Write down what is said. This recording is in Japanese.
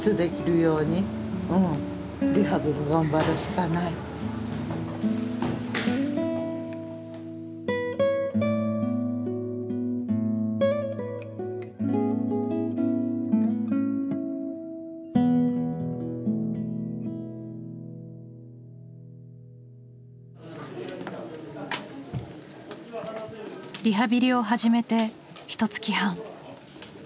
だからリハビリを始めてひとつき半。